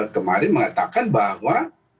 kemarin mengatakan bahwa